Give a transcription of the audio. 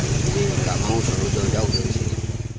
jadi tidak mau serut serut jauh jauh di sini